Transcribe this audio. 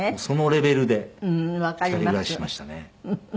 そのレベルで２人暮らししましたね。